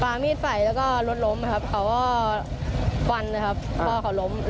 ปลามีดใส่แล้วก็รถล้มเขาว่าฟันพอเขาล้ม